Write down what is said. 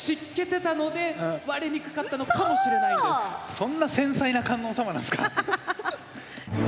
そんな繊細な観音様なんすか。